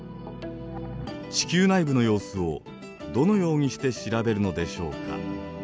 地球内部の様子をどのようにして調べるのでしょうか？